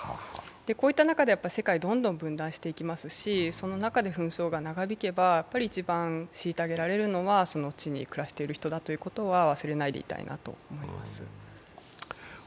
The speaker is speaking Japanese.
こういった中で世界はどんどん分断していきますし、その中で紛争が長引けば、一番しいたげられるのは、その地に暮らしている人だということは忘れないでいたいと思います。